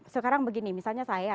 sekarang begini misalnya saya